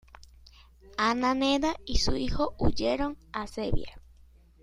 Ana Neda y su hijo huyeron a Serbia.